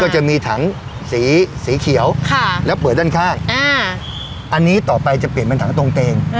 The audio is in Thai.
จะมีถังสีสีเขียวแล้วเปิดด้านข้างอันนี้ต่อไปจะเปลี่ยนเป็นถังตรงเตง